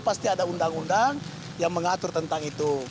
pasti ada undang undang yang mengatur tentang itu